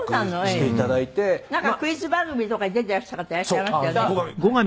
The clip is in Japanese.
なんかクイズ番組とかに出てらした方いらっしゃいましたよね。